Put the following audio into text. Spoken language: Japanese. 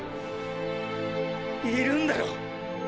いるんだろ